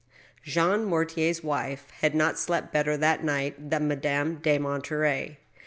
Jean Mortier's wife had not slept better that night than Madame de Monterey.